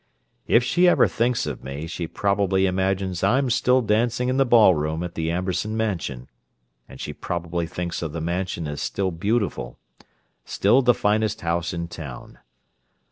If she ever thinks of me she probably imagines I'm still dancing in the ballroom at the Amberson Mansion, and she probably thinks of the Mansion as still beautiful—still the finest house in town.